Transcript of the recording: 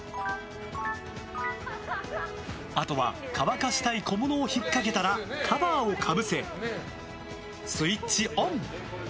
あとは乾かしたい小物をひっかけたらカバーをかぶせスイッチオン。